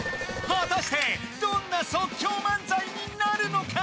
果たしてどんな即興漫才になるのか？